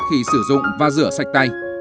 khi sử dụng và rửa sạch tay